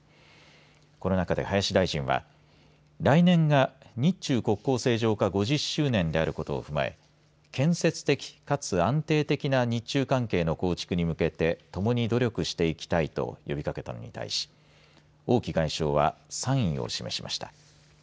この中で林大臣は来年が日中国交正常化５０周年であることを踏まえ建設的かつ安定的な日中関係の構築に向けて共に努力していきたいと呼びかけたのに対し王毅外相は賛意を示しました。